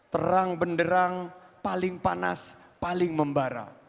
terang benderang paling panas paling membara